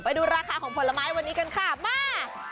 ไปดูราคาของผลไม้วันนี้กันค่ะมา